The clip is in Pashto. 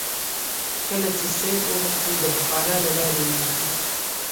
کله چې سید وغوښتل د بخارا له لارې ووځي.